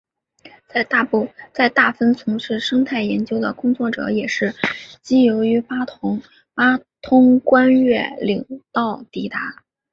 在大分从事生态研究的工作者也是藉由八通关越岭道抵达。